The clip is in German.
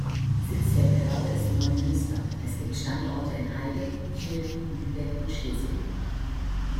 Sitz der Behörde ist Neumünster, es gibt Standorte in Heide, Kiel, Lübeck und Schleswig.